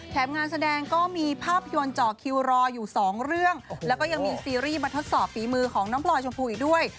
งานแสดงก็มีภาพยนตร์จ่อคิวรออยู่สองเรื่องแล้วก็ยังมีซีรีส์มาทดสอบฝีมือของน้องพลอยชมพูอีกด้วย